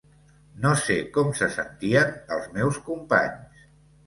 No sé com se sentien els meus companys.